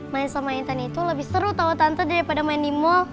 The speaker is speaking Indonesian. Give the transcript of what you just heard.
main sama intan itu lebih seru tawa tante daripada main di mall